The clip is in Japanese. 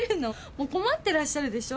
もう困ってらっしゃるでしょ？